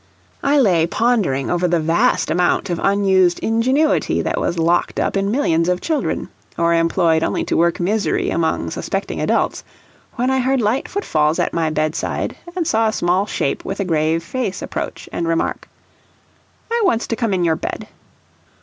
I lay pondering over the vast amount of unused ingenuity that was locked up in millions of children, or employed only to work misery among unsuspecting adults, when I heard light footfalls at my bedside, and saw a small shape with a grave face approach and remark: "I wants to come in your bed."